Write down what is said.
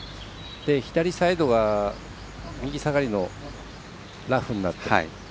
左サイドは右下がりのラフになっている。